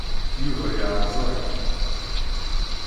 Yuba yeɛẓeg.